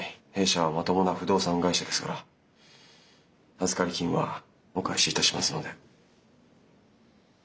弊社はまともな不動産会社ですから預かり金はお返しいたしますので。